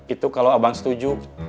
itu kalau abang setuju